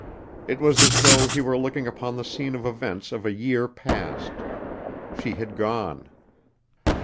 It was as though he were looking upon the scene of events of a year past. She had gone.